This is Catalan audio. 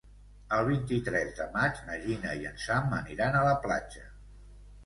El vint-i-tres de maig na Gina i en Sam aniran a la platja.